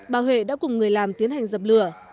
bà huệ đã cùng người làm tiến hành dập lửa